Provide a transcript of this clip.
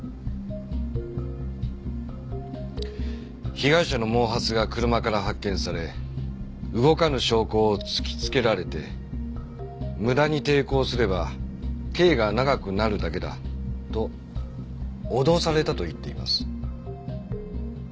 被害者の毛髪が車から発見され動かぬ証拠を突きつけられて「無駄に抵抗すれば刑が長くなるだけだ」と脅されたと言っています。